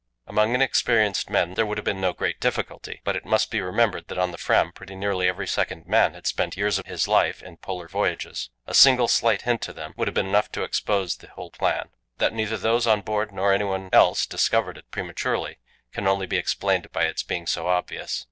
Among inexperienced men there would have been no great difficulty, but it must be remembered that on the Fram pretty nearly every second man had spent years of his life in Polar voyages: a single slight hint to them would have been enough to expose the whole plan. That neither those on board nor anyone else discovered it prematurely can only be explained by its being so obvious.